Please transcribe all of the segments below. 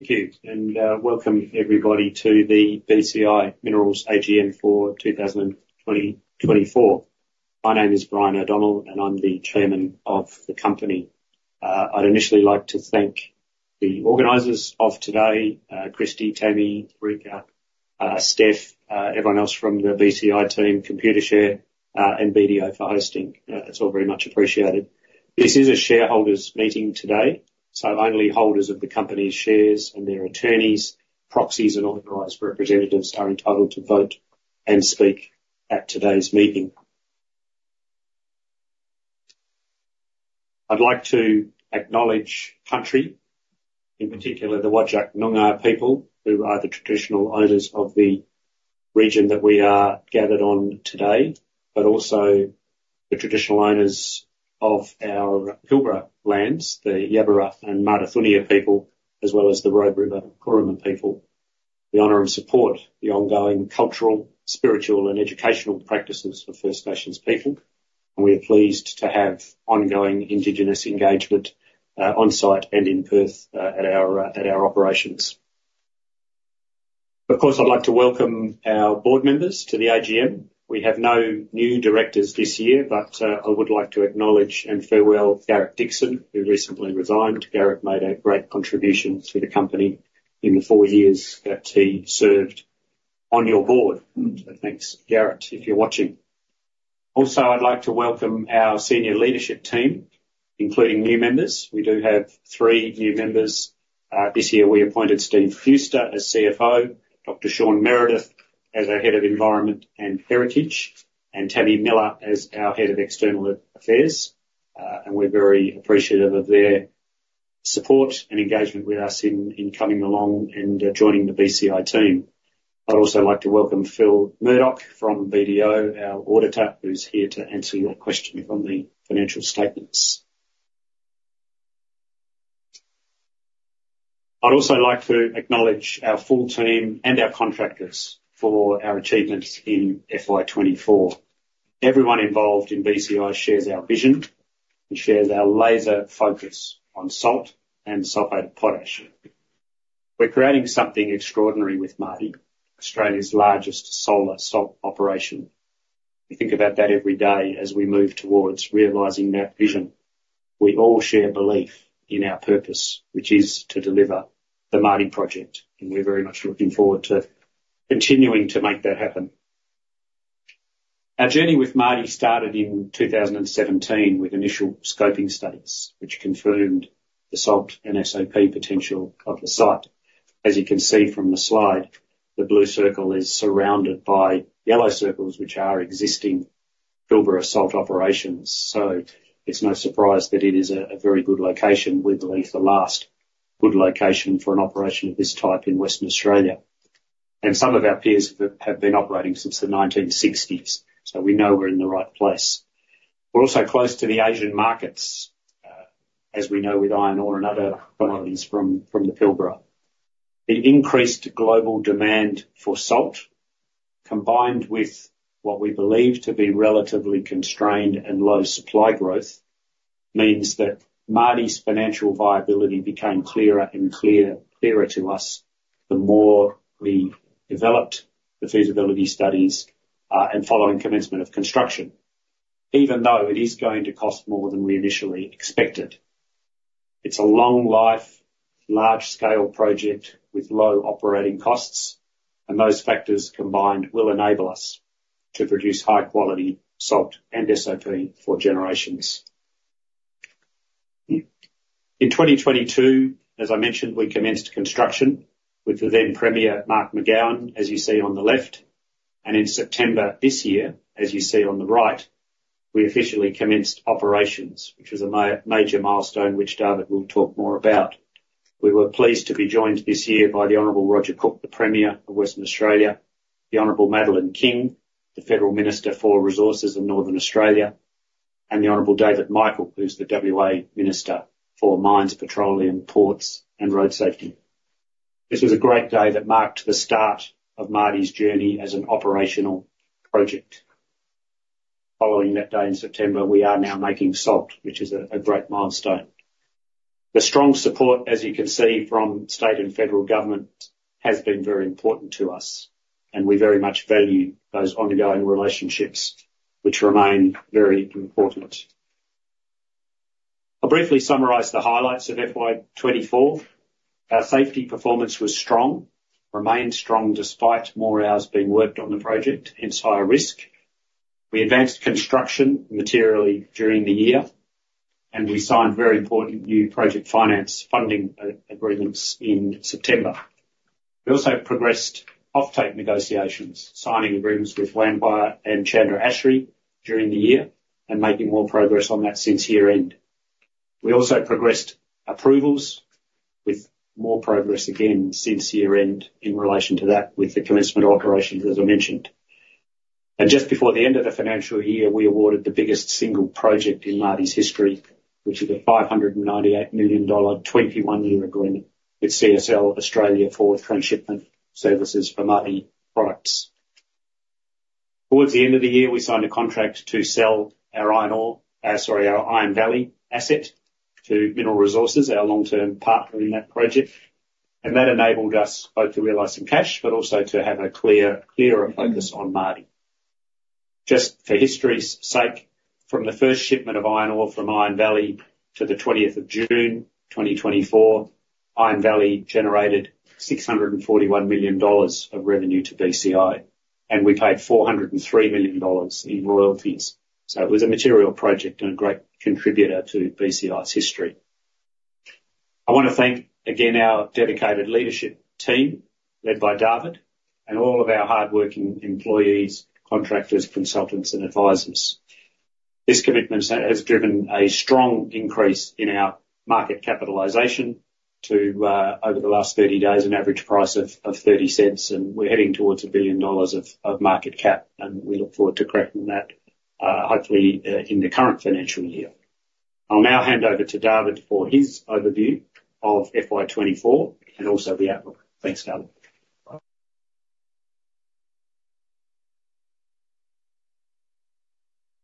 Thank you, and welcome everybody to the BCI Minerals AGM for 2024. My name is Brian O'Donnell, and I'm the Chairman of the company. I'd initially like to thank the organisers of today: Christy, Tammie, Rika, Steph, everyone else from the BCI team, Computershare, and BDO for hosting. It's all very much appreciated. This is a shareholders' meeting today, so only holders of the company's shares and their attorneys, proxies, and authorized representatives are entitled to vote and speak at today's meeting. I'd like to acknowledge Country, in particular the Whadjuk Noongar people, who are the Traditional Owners of the region that we are gathered on today, but also the Traditional Owners of our Pilbara lands, the Yaburara and Mardudhunera people, as well as the Robe River Kuruma people. We honor and support the ongoing cultural, spiritual, and educational practices of First Nations people, and we are pleased to have ongoing Indigenous engagement on site and in Perth at our operations. Of course, I'd like to welcome our board members to the AGM. We have no new directors this year, but I would like to acknowledge and farewell Garrett Dixon, who recently resigned. Garrett made a great contribution to the company in the four years that he served on your board, so thanks, Garrett, if you're watching. Also, I'd like to welcome our senior leadership team, including new members. We do have three new members. This year, we appointed Steve Fewster as CFO, Dr. Shaun Meredith as our head of environment and heritage, and Tammie Miller as our head of external affairs. We're very appreciative of their support and engagement with us in coming along and joining the BCI team. I'd also like to welcome Phil Murdoch from BDO, our auditor, who's here to answer your question on the financial statements. I'd also like to acknowledge our full team and our contractors for our achievements in FY24. Everyone involved in BCI shares our vision and shares our laser focus on salt and sulfate of potash. We're creating something extraordinary with Mardie, Australia's largest solar salt operation. We think about that every day as we move toward realizing that vision. We all share belief in our purpose, which is to deliver the Mardie project, and we're very much looking forward to continuing to make that happen. Our journey with Mardie started in 2017 with initial scoping studies, which confirmed the salt and SOP potential of the site. As you can see from the slide, the blue circle is surrounded by yellow circles, which are existing Pilbara salt operations, so it's no surprise that it is a very good location. We believe the last good location for an operation of this type in Western Australia, and some of our peers have been operating since the 1960s, so we know we're in the right place. We're also close to the Asian markets, as we know with iron ore and other commodities from the Pilbara. The increased global demand for salt, combined with what we believe to be relatively constrained and low supply growth, means that Mardie's financial viability became clearer and clearer to us the more we developed the feasibility studies and following commencement of construction, even though it is going to cost more than we initially expected. It's a long-life, large-scale project with low operating costs, and those factors combined will enable us to produce high-quality salt and SOP for generations. In 2022, as I mentioned, we commenced construction with the then Premier Mark McGowan, as you see on the left. In September this year, as you see on the right, we officially commenced operations, which was a major milestone which David will talk more about. We were pleased to be joined this year by the Honourable Roger Cook, the Premier of Western Australia, the Honourable Madeleine King, the Federal Minister for Resources and Minister for Northern Australia, and the Honourable David Michael, who's the WA Minister for Mines, Petroleum, Ports, and Road Safety. This was a great day that marked the start of Mardie's journey as an operational project. Following that day in September, we are now making salt, which is a great milestone. The strong support, as you can see, from state and federal government has been very important to us, and we very much value those ongoing relationships, which remain very important. I'll briefly summarize the highlights of FY24. Our safety performance was strong, remained strong despite more hours being worked on the project, hence higher risk. We advanced construction materially during the year, and we signed very important new project finance funding agreements in September. We also progressed offtake negotiations, signing agreements with Lianhe and Chandra Asri during the year and making more progress on that since year-end. We also progressed approvals with more progress again since year-end in relation to that with the commencement of operations, as I mentioned. Just before the end of the financial year, we awarded the biggest single project in Mardie's history, which is a 598 million dollar 21-year agreement with CSL Australia for transshipment services for Mardie products. Towards the end of the year, we signed a contract to sell our iron ore, sorry, our Iron Valley asset to Mineral Resources, our long-term partner in that project. That enabled us both to realize some cash, but also to have a clearer focus on Mardie. Just for history's sake, from the first shipment of iron ore from Iron Valley to the 20th of June 2024, Iron Valley generated 641 million dollars of revenue to BCI, and we paid 403 million dollars in royalties. It was a material project and a great contributor to BCI's history. I want to thank again our dedicated leadership team led by David and all of our hardworking employees, contractors, consultants, and advisors. This commitment has driven a strong increase in our market capitalization to over the last 30 days an average price of 0.30, and we're heading towards 1 billion dollars of market cap, and we look forward to cracking that, hopefully in the current financial year. I'll now hand over to David for his overview of FY24 and also the outlook. Thanks, David.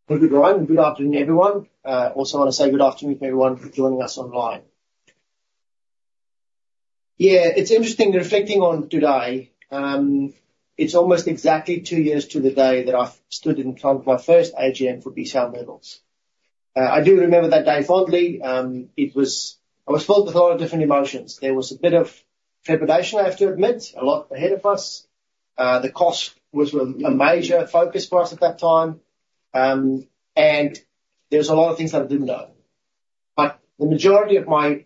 Thank you, Brian. Good afternoon, everyone. Also want to say good afternoon to everyone joining us online. Yeah, it's interesting reflecting on today. It's almost exactly two years to the day that I stood in front of my first AGM for BCI Minerals. I do remember that day fondly. I was filled with a lot of different emotions. There was a bit of trepidation, I have to admit, a lot ahead of us. The cost was a major focus for us at that time, and there were a lot of things that I didn't know. But the majority of my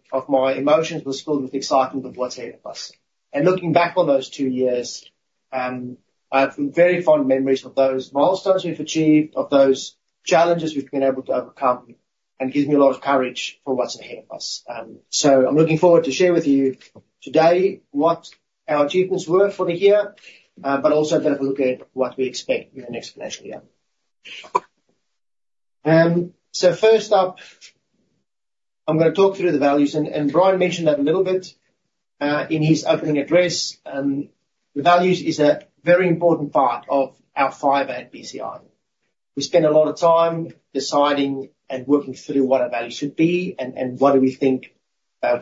emotions were filled with excitement of what's ahead of us. And looking back on those two years, I have very fond memories of those milestones we've achieved, of those challenges we've been able to overcome, and it gives me a lot of courage for what's ahead of us. I'm looking forward to share with you today what our achievements were for the year, but also then if we look at what we expect in the next financial year. First up, I'm going to talk through the values, and Brian mentioned that a little bit in his opening address. The values are a very important part of our fiber at BCI. We spend a lot of time deciding and working through what our values should be and what we think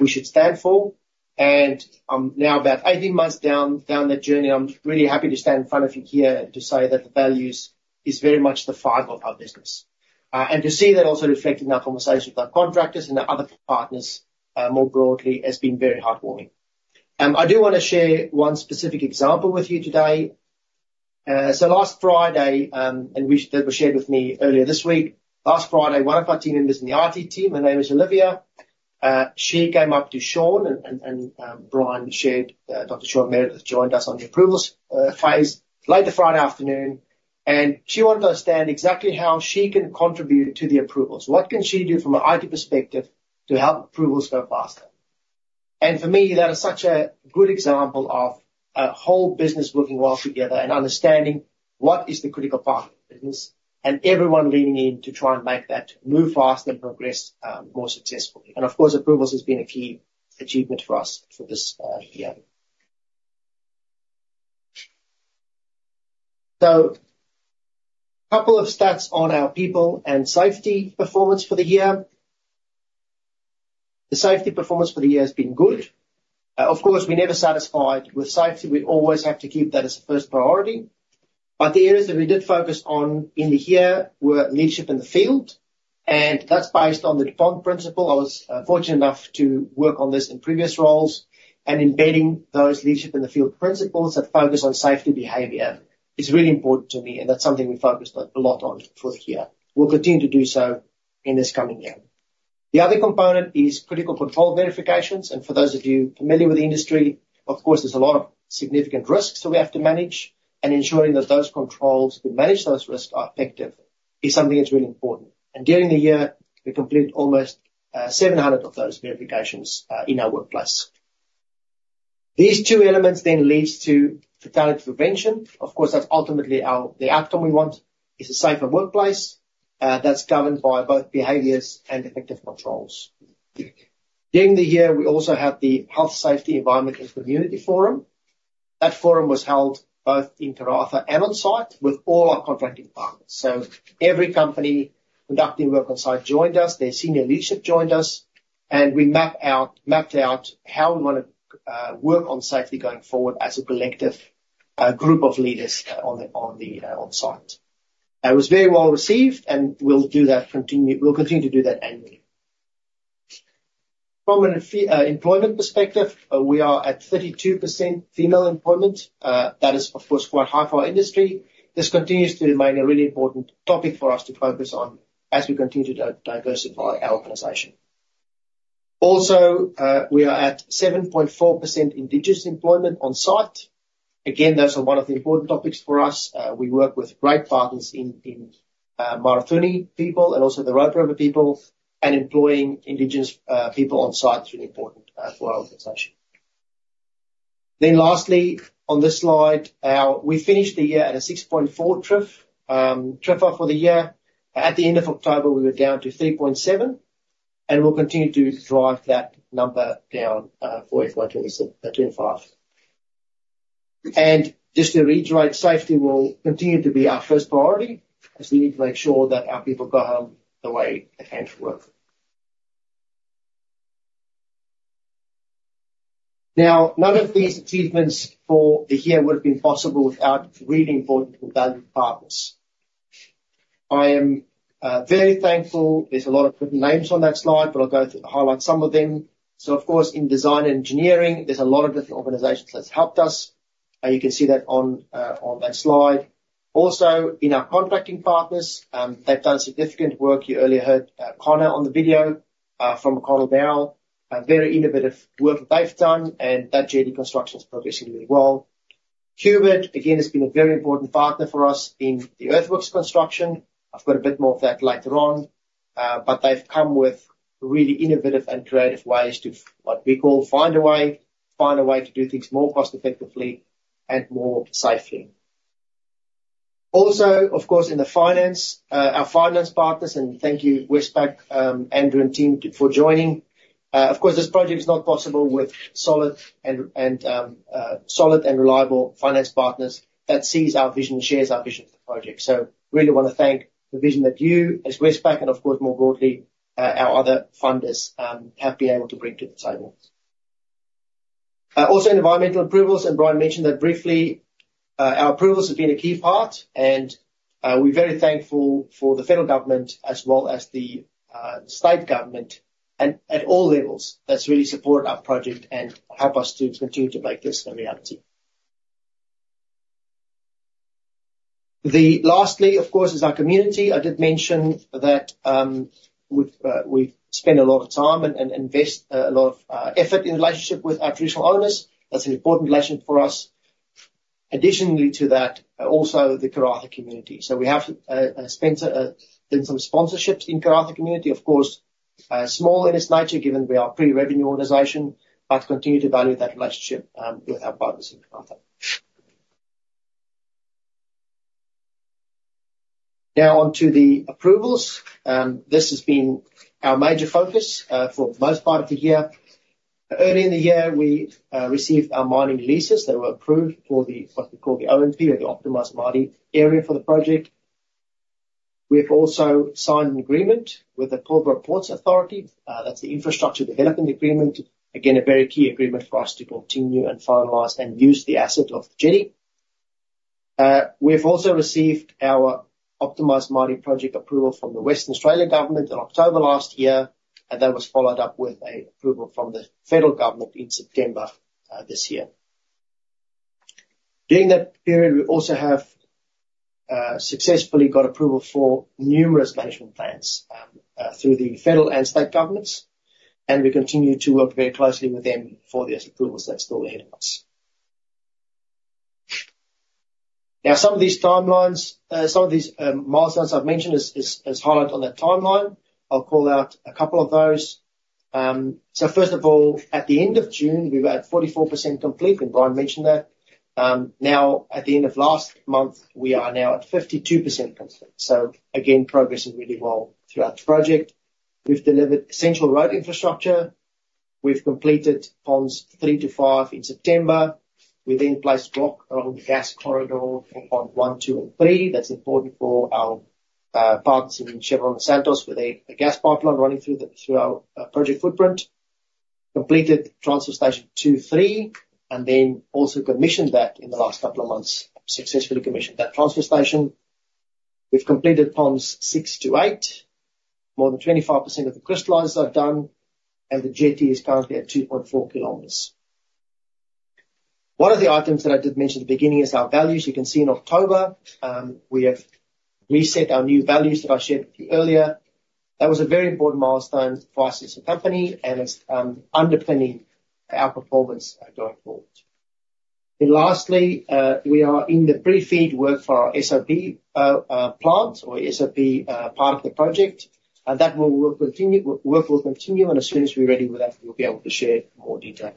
we should stand for. I'm now about 18 months down that journey, and I'm really happy to stand in front of you here to say that the values are very much the fiber of our business. To see that also reflecting our conversations with our contractors and our other partners more broadly has been very heartwarming. I do want to share one specific example with you today, so last Friday, and which David shared with me earlier this week, last Friday, one of our team members in the IT team, her name is Olivia, she came up to Shaun, and Brian shared, Dr. Shaun Meredith joined us on the approvals phase late Friday afternoon, and she wanted to understand exactly how she can contribute to the approvals. What can she do from an IT perspective to help approvals go faster? For me, that is such a good example of a whole business working well together and understanding what is the critical part of the business and everyone leaning in to try and make that move faster and progress more successfully. Of course, approvals have been a key achievement for us for this year. So a couple of stats on our people and safety performance for the year. The safety performance for the year has been good. Of course, we're never satisfied with safety. We always have to keep that as a first priority. But the areas that we did focus on in the year were leadership in the field, and that's based on the DuPont principle. I was fortunate enough to work on this in previous roles and embedding those leadership in the field principles that focus on safety behavior. It's really important to me, and that's something we focused a lot on for the year. We'll continue to do so in this coming year. The other component is critical control verifications. For those of you familiar with the industry, of course, there's a lot of significant risks that we have to manage, and ensuring that those controls that manage those risks are effective is something that's really important. During the year, we completed almost 700 of those verifications in our workplace. These two elements then lead to fatality prevention. Of course, that's ultimately the outcome we want: a safer workplace that's governed by both behaviors and effective controls. During the year, we also had the Health, Safety, Environment, and Community Forum. That forum was held both in Karratha and on site with all our contracting partners. So every company conducting work on site joined us, their senior leadership joined us, and we mapped out how we want to work on safety going forward as a collective group of leaders on site. It was very well received, and we'll continue to do that annually. From an employment perspective, we are at 32% female employment. That is, of course, quite high for our industry. This continues to remain a really important topic for us to focus on as we continue to diversify our organization. Also, we are at 7.4% Indigenous employment on site. Again, those are one of the important topics for us. We work with great partners in Mardudhunera people and also the Robe River people, and employing Indigenous people on site is really important for our organization. Then lastly, on this slide, we finished the year at a 6.4 TRIFR for the year. At the end of October, we were down to 3.7, and we'll continue to drive that number down for FY25. Just to reiterate, safety will continue to be our first priority as we need to make sure that our people go home the way they came to work. Now, none of these achievements for the year would have been possible without really important valued partners. I am very thankful. There's a lot of different names on that slide, but I'll go through and highlight some of them. So of course, in design and engineering, there's a lot of different organizations that have helped us. You can see that on that slide. Also, in our contracting partners, they've done significant work. You earlier heard from McConnell Dowell on the video, very innovative work that they've done, and that jetty construction is progressing really well. Q-Birt, again, has been a very important partner for us in the earthworks construction. I've got a bit more of that later on, but they've come with really innovative and creative ways to, what we call, find a way, find a way to do things more cost-effectively and more safely. Also, of course, in the finance, our finance partners, and thank you, Westpac, Andrew, and team for joining. Of course, this project is not possible with solid and reliable finance partners that see our vision and share our vision for the project. So I really want to thank the vision that you, as Westpac, and of course, more broadly, our other funders have been able to bring to the table. Also, environmental approvals, and Brian mentioned that briefly. Our approvals have been a key part, and we're very thankful for the federal government as well as the state government at all levels. That's really supported our project and helped us to continue to make this a reality. Lastly, of course, is our community. I did mention that we spend a lot of time and invest a lot of effort in the relationship with our traditional owners. That's an important relationship for us. Additionally to that, also the Karratha community. So we have spent some sponsorships in the Karratha community, of course, small in its nature given we are a pre-revenue organization, but continue to value that relationship with our partners in Karratha. Now on to the approvals. This has been our major focus for the most part of the year. Early in the year, we received our mining leases that were approved for what we call the OMP or the Optimised Mardie area for the project. We've also signed an agreement with the Pilbara Ports Authority. That's the Infrastructure Development Agreement. Again, a very key agreement for us to continue and finalise and use the asset of the jetty. We've also received our Optimised Mardie Project approval from the Western Australian government in October last year, and that was followed up with an approval from the federal government in September this year. During that period, we also have successfully got approval for numerous management plans through the federal and state governments, and we continue to work very closely with them for these approvals that are still ahead of us. Now, some of these timelines, some of these milestones I've mentioned as highlight on that timeline. I'll call out a couple of those. So first of all, at the end of June, we were at 44% complete, and Brian mentioned that. Now, at the end of last month, we are now at 52% complete. So again, progress is really well throughout the project. We've delivered essential road infrastructure. We've completed ponds three to five in September. We then placed block along the gas corridor for Pond 1, two, and three. That's important for our partners in Chevron and Santos with a gas pipeline running through our project footprint. Completed Transfer Station 2 and 3, and then also commissioned that in the last couple of months, successfully commissioned that transfer station. We've completed ponds six to eight. More than 25% of the crystallisers are done, and the jetty is currently at 2.4 kilometres. One of the items that I did mention at the beginning is our values. You can see in October, we have reset our new values that I shared with you earlier. That was a very important milestone for us as a company and is underpinning our performance going forward. Lastly, we are in the pre-FEED work for our SOP plant or SOP part of the project. That work will continue, and as soon as we're ready with that, we'll be able to share more detail.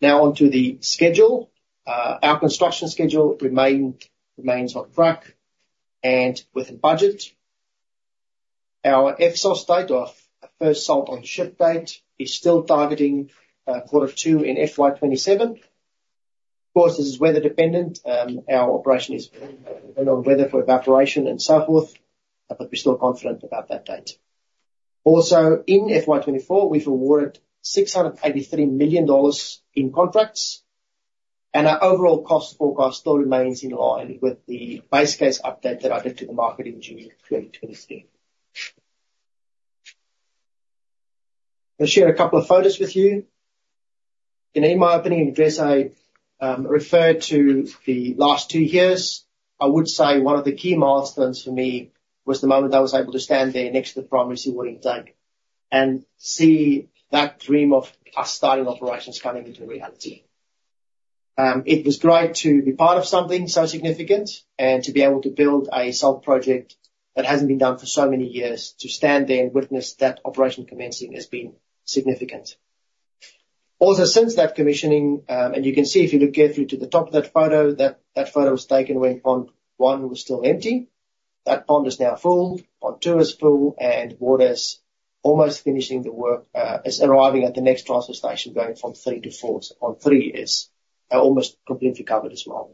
Now on to the schedule. Our construction schedule remains on track and with a budget. Our FSOS date, or first salt on ship date, is still targeting quarter two in FY27. Of course, this is weather dependent. Our operation is dependent on weather for evaporation and so forth, but we're still confident about that date. Also, in FY24, we've awarded 683 million dollars in contracts, and our overall cost forecast still remains in line with the base case update that I did to the market in June 2023. I'll share a couple of photos with you. In my opening address, I referred to the last two years. I would say one of the key milestones for me was the moment I was able to stand there next to the primary seawater intake and see that dream of us starting operations coming into reality. It was great to be part of something so significant and to be able to build a salt project that hasn't been done for so many years, to stand there and witness that operation commencing has been significant. Also, since that commissioning, and you can see if you look carefully to the top of that photo, that photo was taken when pond 1 was still empty. That pond is now full. Pond 2 is full, and water is almost finishing the work, is arriving at the next transfer station going from three to four. So Pond 3 is almost completely covered as well.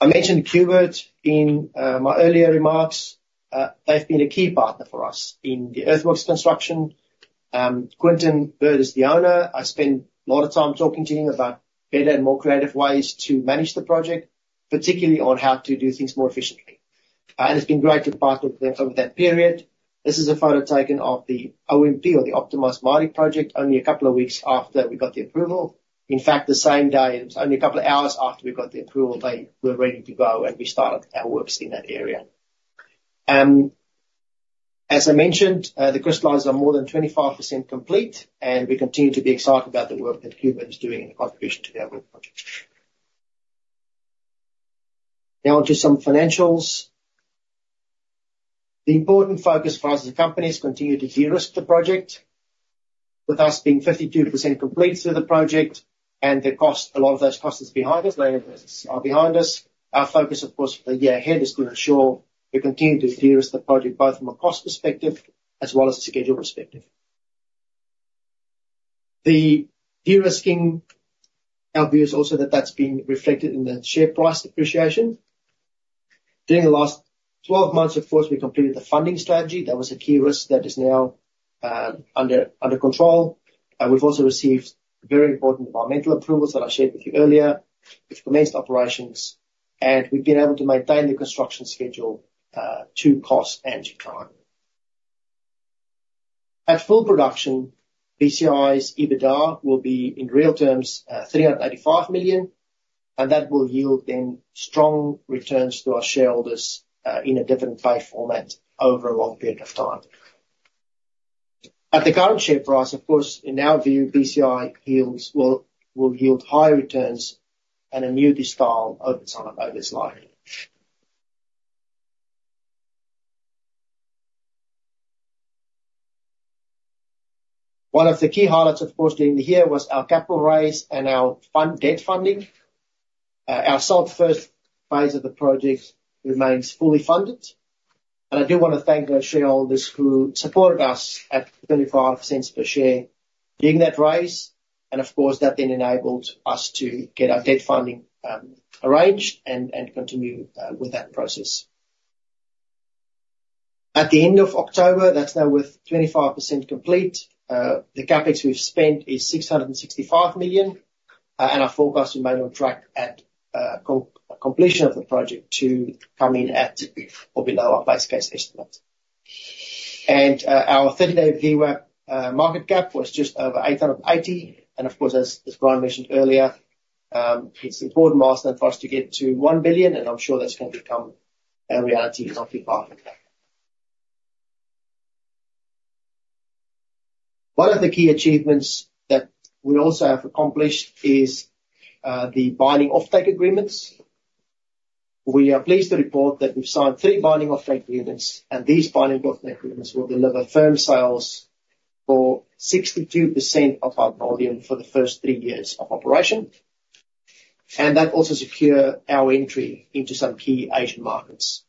I mentioned Q-Birt in my earlier remarks. They've been a key partner for us in the earthworks construction. Quinton Bird is the owner. I spent a lot of time talking to him about better and more creative ways to manage the project, particularly on how to do things more efficiently. And it's been great to partner with them over that period. This is a photo taken of the OMP or the Optimized Mardie project only a couple of weeks after we got the approval. In fact, the same day, it was only a couple of hours after we got the approval, they were ready to go and we started our works in that area. As I mentioned, the crystallisers are more than 25% complete, and we continue to be excited about the work that Q-Birt is doing in the contribution to the earthworks project. Now on to some financials. The important focus for us as a company is continuing to de-risk the project. With us being 52% complete through the project and a lot of those costs are behind us, our focus, of course, for the year ahead is to ensure we continue to de-risk the project both from a cost perspective as well as a schedule perspective. The de-risking output is also that that's been reflected in the share price appreciation. During the last 12 months, of course, we completed the funding strategy. That was a key risk that is now under control. We've also received very important environmental approvals that I shared with you earlier, which commenced operations, and we've been able to maintain the construction schedule to cost and to time. At full production, BCI's EBITDA will be in real terms 385 million, and that will yield then strong returns to our shareholders in a dividend-based format over a long period of time. At the current share price, of course, in our view, BCI will yield higher returns and a new style over time over this line. One of the key highlights, of course, during the year was our capital raise and our debt funding. Our Salt first phase of the project remains fully funded, and I do want to thank our shareholders who supported us at 25 cents per share during that raise, and of course, that then enabled us to get our debt funding arranged and continue with that process. At the end of October, that's now 25% complete. The Capex we've spent is 665 million, and our forecast remains on track at completion of the project to come in at or below our Base Case estimate, and our 30-day VWAP market cap was just over 880 million, and of course, as Brian mentioned earlier, it's an important milestone for us to get to 1 billion, and I'm sure that's going to become a reality in our future market cap. One of the key achievements that we also have accomplished is the binding offtake agreements. We are pleased to report that we've signed three binding offtake agreements, and these binding offtake agreements will deliver firm sales for 62% of our volume for the first three years of operation, and that also secures our entry into some key Asian markets.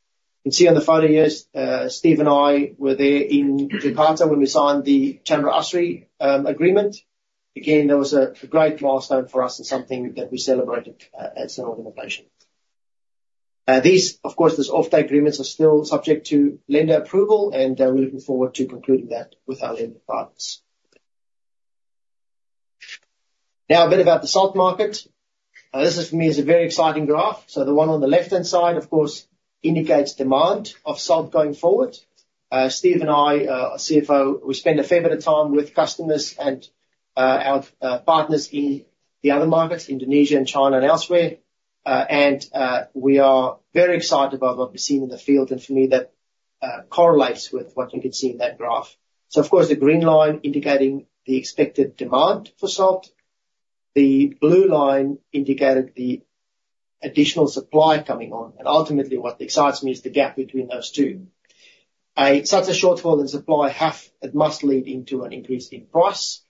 You can see on the photo here, Steve and I were there in Jakarta when we signed the Chandra Asri Agreement. Again, that was a great milestone for us and something that we celebrated as an organization. These, of course, offtake agreements are still subject to lender approval, and we're looking forward to concluding that with our lender partners. Now a bit about the salt market. This is, for me, a very exciting graph. So the one on the left-hand side, of course, indicates demand of salt going forward. Steve and I, our CFO, we spend a fair bit of time with customers and our partners in the other markets, Indonesia and China and elsewhere, and we are very excited about what we've seen in the field, and for me, that correlates with what you can see in that graph. So, of course, the green line indicating the expected demand for salt. The blue line indicated the additional supply coming on, and ultimately, what excites me is the gap between those two. Such a shortfall in supply must lead into an increase in price,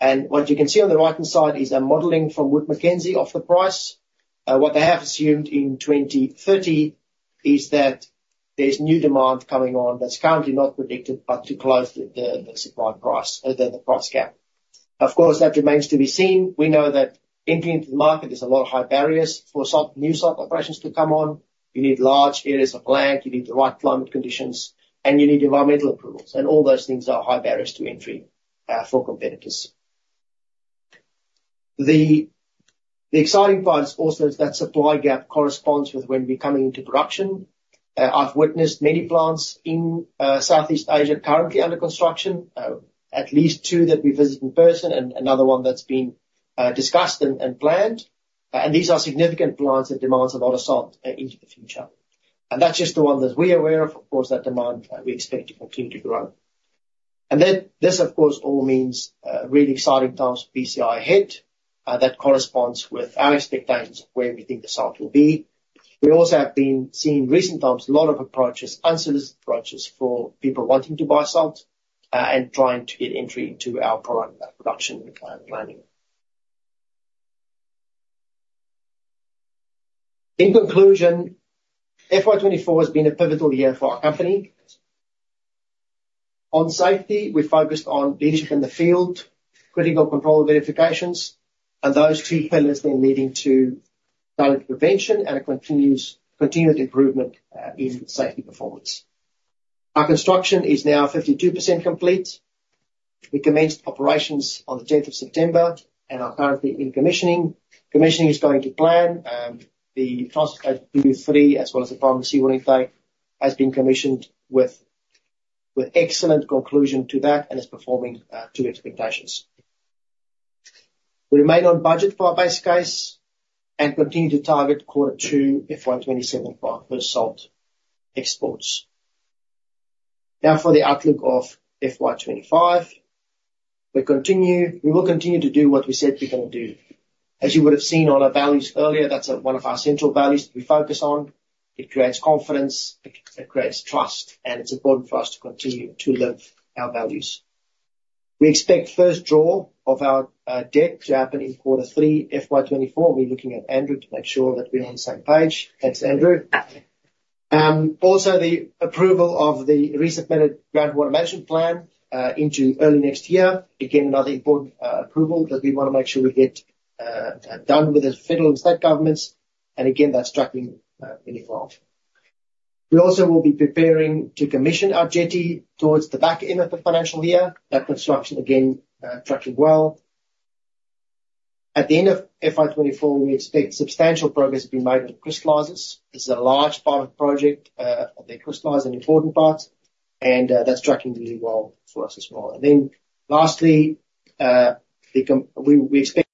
and what you can see on the right-hand side is our modelling from Wood Mackenzie of the price. What they have assumed in 2030 is that there's new demand coming on that's currently not predicted, but to close the supply price, the price gap. Of course, that remains to be seen. We know that entering into the market, there's a lot of high barriers for new salt operations to come on. You need large areas of land, you need the right climate conditions, and you need environmental approvals, and all those things are high barriers to entry for competitors. The exciting part is also that supply gap corresponds with when we're coming into production. I've witnessed many plants in Southeast Asia currently under construction, at least two that we visited in person and another one that's been discussed and planned, and these are significant plants that demand a lot of salt into the future, and that's just the one that we're aware of, of course, that demand we expect to continue to grow, and this, of course, all means really exciting times for BCI ahead. That corresponds with our expectations of where we think the salt will be. We also have been seeing in recent times a lot of approaches, unsolicited approaches from people wanting to buy salt and trying to get entry into our product production and planning. In conclusion, FY24 has been a pivotal year for our company. On safety, we focused on leadership in the field, critical control verifications, and those two pillars then leading to damage prevention and a continued improvement in safety performance. Our construction is now 52% complete. We commenced operations on the 10th of September and are currently in commissioning. Commissioning is going to plan. The Transfer Station two, three, as well as the Primary Seawater Intake, has been commissioned with excellent conclusion to that and is performing to expectations. We remain on budget for our Base Case and continue to target quarter two FY27 for our first salt exports. Now for the outlook of FY25, we will continue to do what we said we're going to do. As you would have seen on our values earlier, that's one of our central values that we focus on. It creates confidence, it creates trust, and it's important for us to continue to live our values. We expect first draw of our debt to happen in quarter three, FY24. We're looking at Andrew to make sure that we're on the same page. Thanks, Andrew. Also, the approval of the resubmitted groundwater management plan into early next year. Again, another important approval that we want to make sure we get done with the federal and state governments, and again, that's tracking really well. We also will be preparing to commission our jetty towards the back end of the financial year. That construction, again, tracking well. At the end of FY24, we expect substantial progress to be made on crystallisers. This is a large part of the project, the crystalliser and important parts, and that's tracking really well for us as well. And then lastly, we expect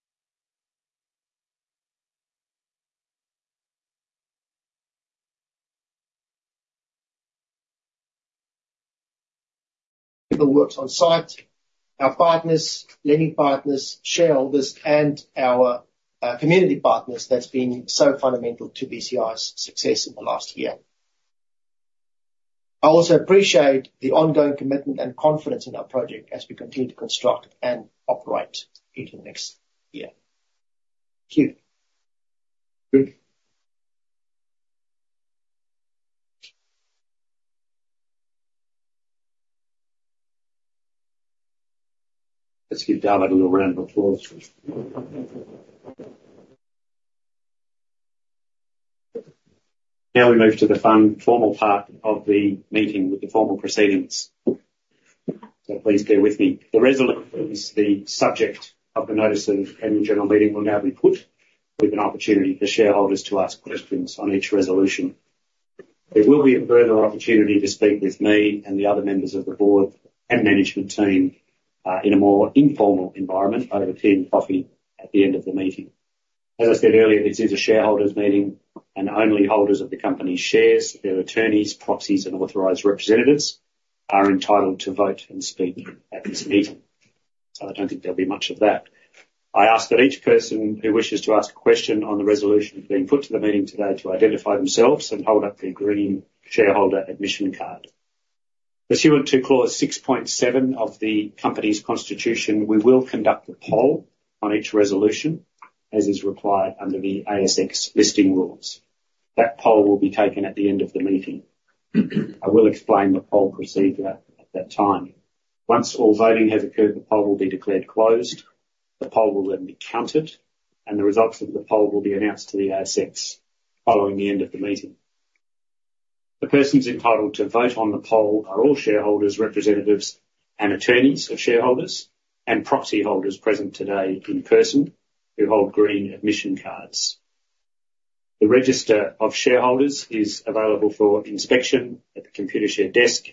peak works on site, our partners, lending partners, shareholders, and our community partners that's been so fundamental to BCI's success in the last year. I also appreciate the ongoing commitment and confidence in our project as we continue to construct and operate into the next year. Thank you. Let's give David a little round of applause. Now we move to the formal part of the meeting with the formal proceedings. So please bear with me. The resolutions, the subject of the notice of the annual general meeting, will now be put with an opportunity for shareholders to ask questions on each resolution. There will be a further opportunity to speak with me and the other members of the board and management team in a more informal environment over tea and coffee at the end of the meeting. As I said earlier, this is a shareholders' meeting, and only holders of the company's shares, their attorneys, proxies, and authorised representatives are entitled to vote and speak at this meeting. So I don't think there'll be much of that. I ask that each person who wishes to ask a question on the resolution being put to the meeting today to identify themselves and hold up the green shareholder admission card. Pursuant to clause 6.7 of the company's constitution, we will conduct a poll on each resolution as is required under the ASX listing rules. That poll will be taken at the end of the meeting. I will explain the poll procedure at that time. Once all voting has occurred, the poll will be declared closed. The poll will then be counted, and the results of the poll will be announced to the ASX following the end of the meeting. The persons entitled to vote on the poll are all shareholders, representatives, and attorneys of shareholders, and proxy holders present today in person who hold green admission cards. The register of shareholders is available for inspection at the Computershare desk.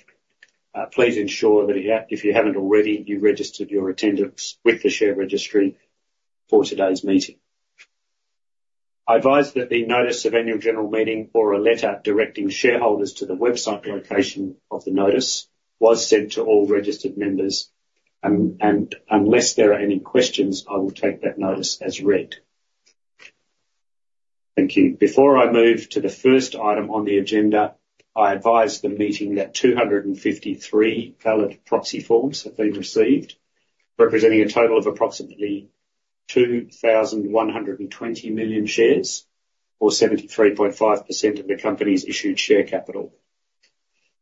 Please ensure that if you haven't already, you've registered your attendance with the share registry for today's meeting. I advise that the notice of annual general meeting or a letter directing shareholders to the website location of the notice was sent to all registered members, and unless there are any questions, I will take that notice as read. Thank you. Before I move to the first item on the agenda, I advise the meeting that 253 valid proxy forms have been received, representing a total of approximately 2,120 million shares or 73.5% of the company's issued share capital.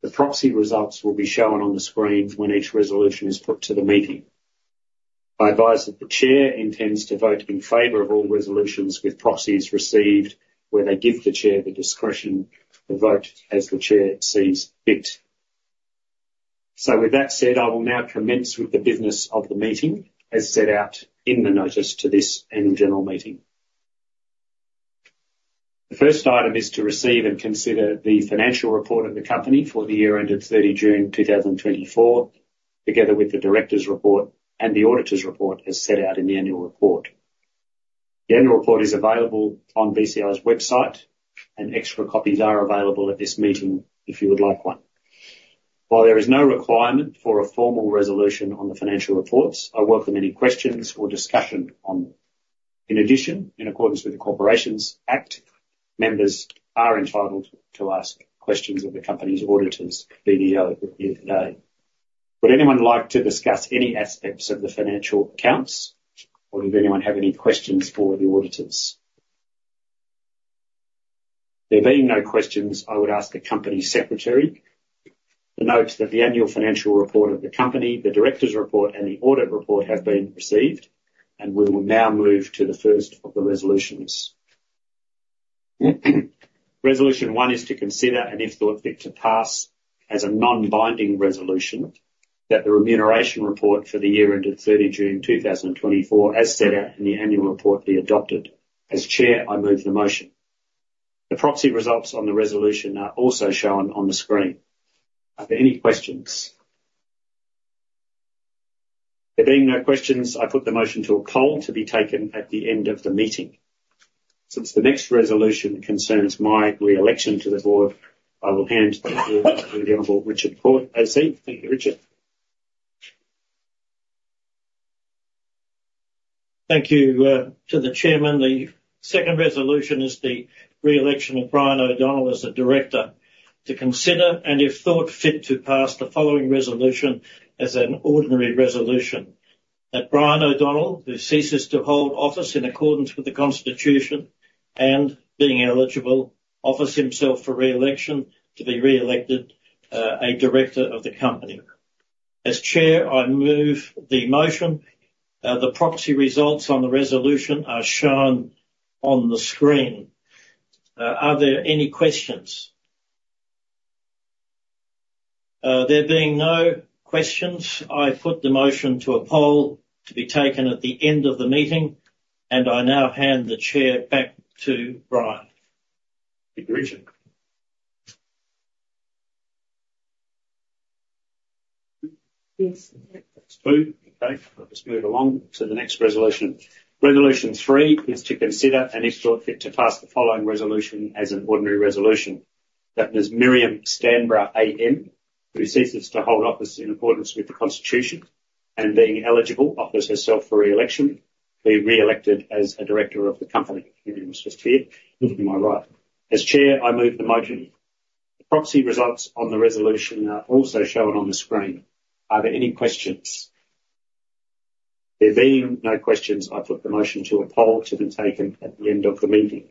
The proxy results will be shown on the screen when each resolution is put to the meeting. I advise that the chair intends to vote in favour of all resolutions with proxies received where they give the chair the discretion to vote as the chair sees fit. So with that said, I will now commence with the business of the meeting as set out in the notice to this annual general meeting. The first item is to receive and consider the financial report of the company for the year ended 30 June 2024, together with the director's report and the auditor's report as set out in the annual report. The annual report is available on BCI's website, and extra copies are available at this meeting if you would like one. While there is no requirement for a formal resolution on the financial reports, I welcome any questions or discussion on them. In addition, in accordance with the Corporations Act, members are entitled to ask questions of the company's auditors, BDO, here today. Would anyone like to discuss any aspects of the financial accounts, or does anyone have any questions for the auditors? There being no questions, I would ask the company secretary to note that the annual financial report of the company, the director's report, and the audit report have been received, and we will now move to the first of the resolutions. Resolution one is to consider and if thought fit to pass as a non-binding resolution that the remuneration report for the year ended 30 June 2024, as set out in the annual report, be adopted. As Chair, I move the motion. The proxy results on the resolution are also shown on the screen. Are there any questions? There being no questions, I put the motion to a poll to be taken at the end of the meeting. Since the next resolution concerns my re-election to the board, I will hand the floor to the Honourable Richard Court. Thank you to the Chairman. The second resolution is the re-election of Brian O'Donnell as a director to consider and, if thought fit to pass, the following resolution as an ordinary resolution. That Brian O'Donnell, who ceases to hold office in accordance with the constitution and being eligible, offers himself for re-election to be re-elected a director of the company. As chair, I move the motion. The proxy results on the resolution are shown on the screen. Are there any questions? There being no questions, I put the motion to a poll to be taken at the end of the meeting, and I now hand the chair back to Brian. Thank you, Richard. That's two. Okay, I'll just move along to the next resolution. Resolution three is to consider and, if thought fit, to pass the following resolution as an ordinary resolution. That Ms. Miriam Stanborough, AM, who ceases to hold office in accordance with the constitution and being eligible, offers herself for re-election to be re-elected as a director of the company. Miriam was just here. Looking to my right. As chair, I move the motion. The proxy results on the resolution are also shown on the screen. Are there any questions? There being no questions, I put the motion to a poll to be taken at the end of the meeting.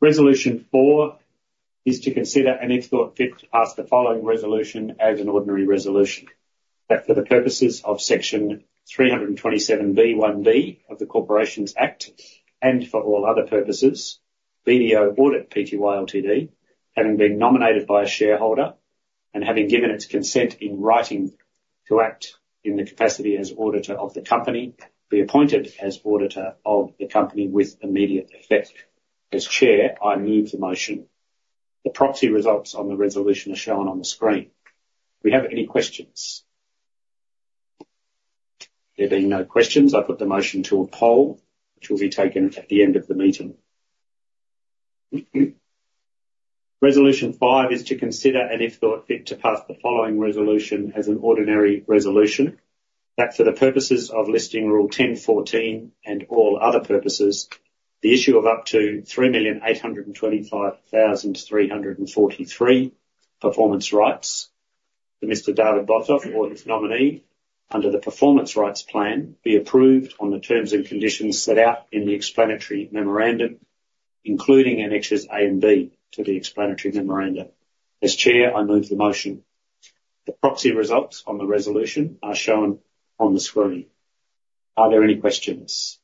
Resolution four is to consider and, if thought fit, to pass the following resolution as an ordinary resolution. That for the purposes of section 327(b)(1)(d) of the Corporations Act and for all other purposes, BDO Audit Pty Ltd, having been nominated by a shareholder and having given its consent in writing to act in the capacity as auditor of the company, be appointed as auditor of the company with immediate effect. As chair, I move the motion. The proxy results on the resolution are shown on the screen. Do we have any questions? There being no questions, I put the motion to a poll which will be taken at the end of the meeting. Resolution five is to consider and if thought fit to pass the following resolution as an ordinary resolution. That for the purposes of listing rule 1014 and all other purposes, the issue of up to 3,825,343 performance rights to Mr. David Boshoff or his nominee under the performance rights plan be approved on the terms and conditions set out in the explanatory memorandum, including annexes A and B to the explanatory memorandum. As Chair, I move the motion. The proxy results on the resolution are shown on the screen. Are there any questions?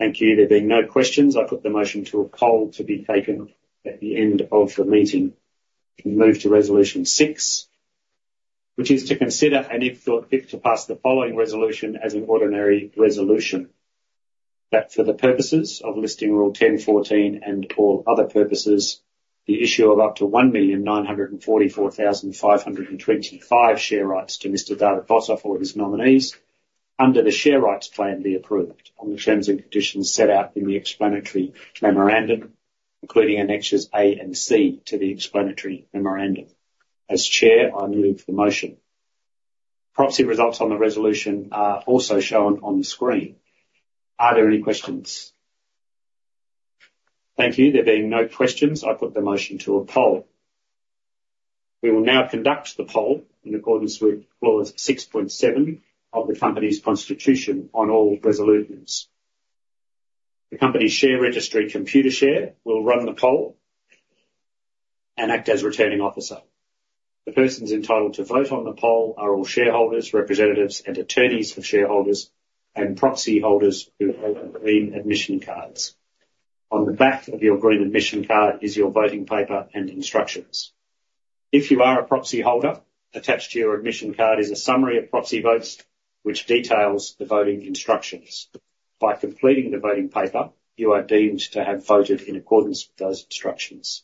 Thank you. There being no questions, I put the motion to a poll to be taken at the end of the meeting. We move to resolution six, which is to consider and, if thought fit, to pass the following resolution as an ordinary resolution. That for the purposes of listing rule 1014 and all other purposes, the issue of up to 1,944,525 share rights to Mr. David Boshoff or his nominees under the share rights plan be approved on the terms and conditions set out in the explanatory memorandum, including annexes A and C to the explanatory memorandum. As Chair, I move the motion. Proxy results on the resolution are also shown on the screen. Are there any questions? Thank you. There being no questions, I put the motion to a poll. We will now conduct the poll in accordance with clause 6.7 of the company's constitution on all resolutions. The company's share registry Computershare will run the poll and act as returning officer. The persons entitled to vote on the poll are all shareholders, representatives, and attorneys of shareholders and proxy holders who hold green admission cards. On the back of your green admission card is your voting paper and instructions. If you are a proxy holder, attached to your admission card is a summary of proxy votes which details the voting instructions. By completing the voting paper, you are deemed to have voted in accordance with those instructions.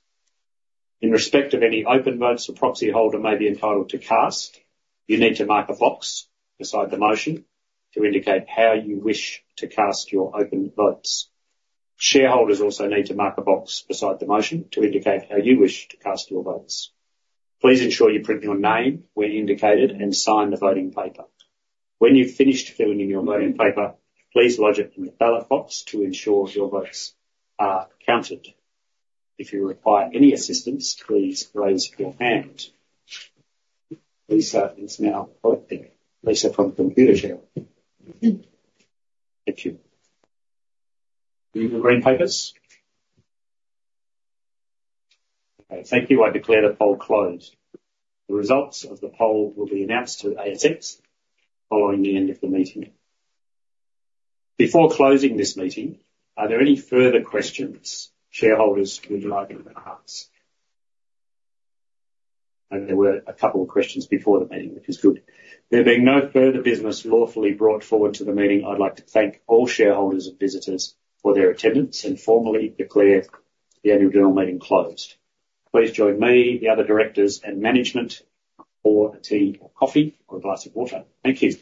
In respect of any open votes a proxy holder may be entitled to cast, you need to mark a box beside the motion to indicate how you wish to cast your open votes. Shareholders also need to mark a box beside the motion to indicate how you wish to cast your votes. Please ensure you print your name where indicated and sign the voting paper. When you've finished filling in your voting paper, please lodge it in the ballot box to ensure your votes are counted. If you require any assistance, please raise your hand. Lisa is now collecting. Lisa from Computershare. Thank you. Do you need the green papers? Okay, thank you. I declare the poll closed. The results of the poll will be announced to ASX following the end of the meeting. Before closing this meeting, are there any further questions shareholders would like to ask? I think there were a couple of questions before the meeting, which is good. There being no further business lawfully brought forward to the meeting, I'd like to thank all shareholders and visitors for their attendance and formally declare the annual general meeting closed. Please join me, the other directors, and management for a tea or coffee or a glass of water. Thank you.